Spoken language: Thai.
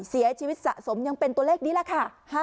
เสียชีวิตสะสมยังเป็นตัวเลขนี้แหละค่ะ